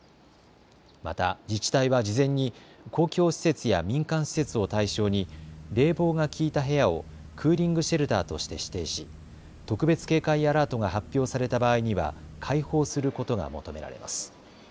また自治体は事前に公共施設や民間施設を対象に冷房が効いた部屋をクーリングシェルターとして指定し、特別警戒アラートが発表された場合には開放することが求められます。